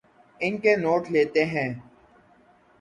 ان کے نوٹ لیتے ہیں